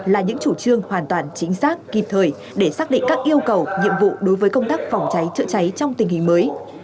là những chủ trương hoàn toàn chính xác kịp thời để xác định các yêu cầu nhiệm vụ đối với công tác phòng cháy chữa cháy trong tình hình mới